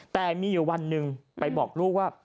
แต่มีอยู่วันหนึ่งไปบอกลูกว่า